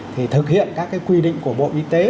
thì thực hiện các quy định của bộ y tế